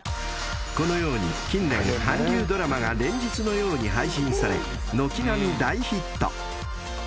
［このように近年韓流ドラマが連日のように配信され軒並み大ヒット］